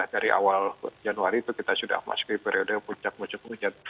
dari awal januari itu kita sudah masuk ke periode puncak musim hujan